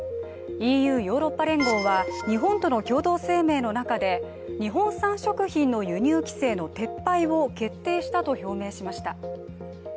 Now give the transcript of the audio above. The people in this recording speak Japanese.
ＥＵ＝ヨーロッパ連合は日本との共同声明の中で日本産食品の輸入規制の撤廃を決定したと表明しました。